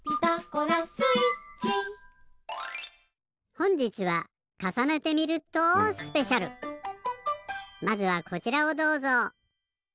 ほんじつはまずはこちらをどうぞ。